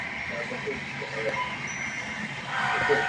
Toda la formación tiene un aspecto en forma de pera.